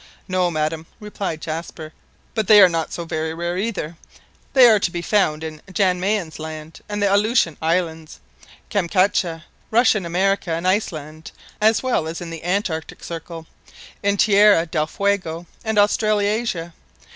"No, madam," replied Jaspar, "but they are not so very rare either; they are to be found in Jan Mayen's Land, the Aleutian Isles, Kamtchatka, Russian America, and Iceland, as well as in the Antarctic circle, in Tierra del Fuego, and Australasia.